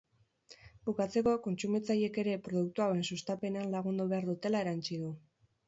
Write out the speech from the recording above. Bukatzeko, kontsumitzaileek ere produktu hauen sustapenean lagundu behar dutela erantsi du.